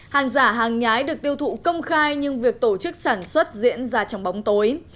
hàng giả hàng nhái được tiêu thụ công khai nhưng việc tổ chức sản xuất diễn ra trong bóng tối